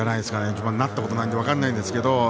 私はなったことがないんで分からないんですが。